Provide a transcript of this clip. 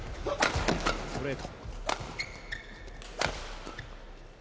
ストレート。